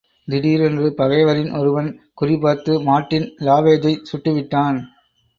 திடீரென்று பகைவரின் ஒருவன் குறிபார்த்து மார்ட்டின் லாவேஜைச் சுட்டுவிட்டான்.